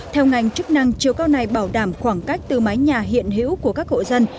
theo ngành chức năng chiều cao này bảo đảm khoảng cách từ mái nhà hiện hữu của các hộ dân